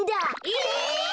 え！